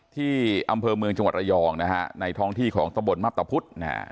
ที่อำเภอเมืองจังหวัดระยองนะฮะในท้องที่ของตะบนมับตะพุทธนะฮะ